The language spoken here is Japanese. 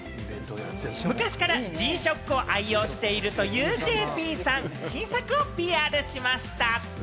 昔からＧ−ＳＨＯＣＫを愛用しているというＪＰさん、新作をＰＲしました。